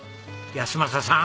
安正さん